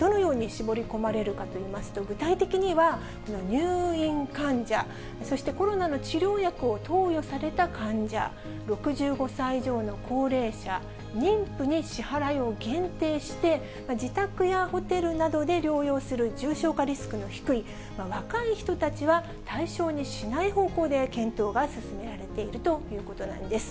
どのように絞り込まれるかといいますと、具体的には、入院患者、そしてコロナの治療薬を投与された患者、６５歳以上の高齢者、妊婦に支払いを限定して、自宅やホテルなどで療養する重症化リスクの低い若い人たちは、対象にしない方向で検討が進められているということなんです。